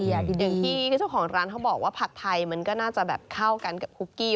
เองคุณช่วงของร้านนี่เขาบอกว่าผัดไทมันก็น่าจะแบบเข้ากันกับคุกกี้